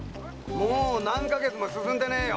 もう何か月も進んでねえよ。